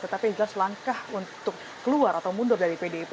tetapi yang jelas langkah untuk keluar atau mundur dari pdip